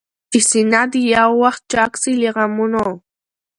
چي سينه دي يو وخت چاك سي له غمونو؟